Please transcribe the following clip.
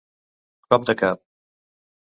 Cop de cap.